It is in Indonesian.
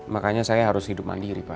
makanya saya harus hidup mandiri pak